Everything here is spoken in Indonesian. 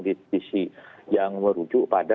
diisi yang merujuk pada